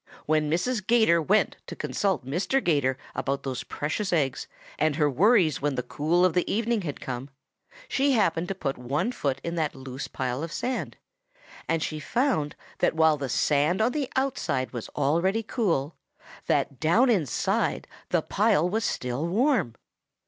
When Mrs. 'Gator went to consult Mr. 'Gator about those precious eggs and her worries when the cool of evening had come, she happened to put one foot in that loose pile of sand, and she found that while the sand on the outside was already cool, that down inside the pile was still warm.